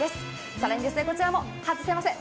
更にこちらも外せません